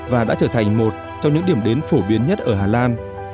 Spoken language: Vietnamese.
và đã trở thành một trong những điểm đến phổ biến nhất ở hà lan